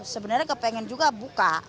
sebenarnya kepengen juga buka